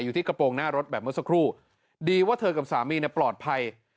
อยู่ที่กระโปรงหน้ารถแบบเมื่อสักครู่ดีว่าเธอกับสามีเนี่ยปลอดภัย